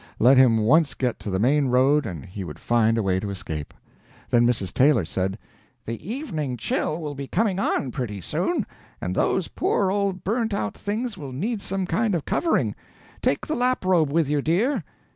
Let him once get to the main road and he would find a way to escape. Then Mrs. Taylor said: "The evening chill will be coming on, pretty soon, and those poor old burnt out things will need some kind of covering. Take the lap robe with you, dear."